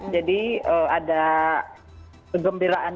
jadi ada kegembiraan yang